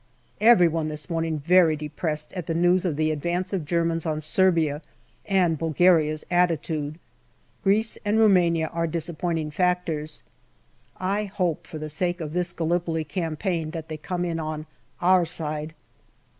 Every one this morning very depressed at the news of the advance of Germans on Serbia and Bulgaria's attitude. Greece and Roumania are disappointing factors. I hope for the sake of this Gallipoli campaign that they come in on> our side.